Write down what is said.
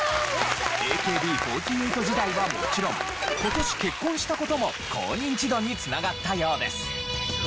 ＡＫＢ４８時代はもちろん今年結婚した事も高ニンチドに繋がったようです。